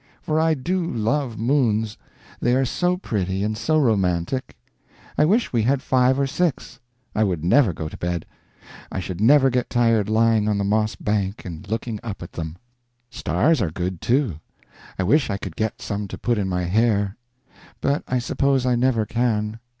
For I do love moons, they are so pretty and so romantic. I wish we had five or six; I would never go to bed; I should never get tired lying on the moss bank and looking up at them. Stars are good, too. I wish I could get some to put in my hair. But I suppose I never can.